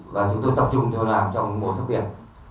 và chúng tôi tập trung cho làm trong mùa thấp biển